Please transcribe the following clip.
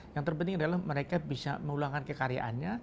yang terpenting adalah mereka bisa mengulangkan kekaryaannya